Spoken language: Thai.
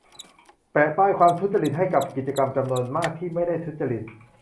แปะป้ายความ ทุจริต ให้กับกิจกรรมจำนวนมากที่ไม่ได้ทุจริต